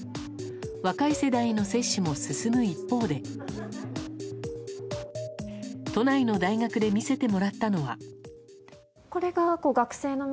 若い世代への接種も進む一方で都内の大学で見せてもらったのは。